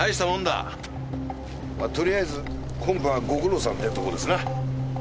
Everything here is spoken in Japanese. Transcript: とりあえず本部はご苦労さんってとこですな。